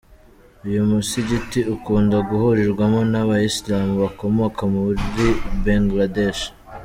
Uyu musigiti ukunda guhurirwamo n’aba-Islam bakomoka muri Bangladesh.